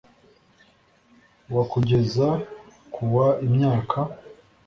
wa kugeza ku wa imyaka